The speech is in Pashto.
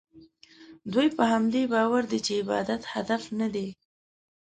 دوی په همدې باور دي چې عبادت هدف نه دی.